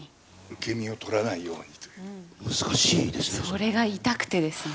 受け身を取らないようにと、それが痛くてですね。